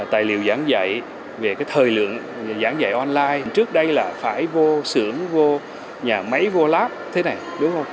tài liệu giảng dạy về cái thời lượng giảng dạy online trước đây là phải vô sưởng vô nhà máy vô lab thế này đúng không